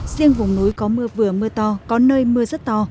riêng vùng núi có mưa vừa mưa to có nơi mưa rất to